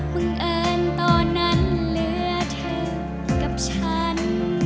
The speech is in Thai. บังเอิญตอนนั้นเหลือเธอกับฉัน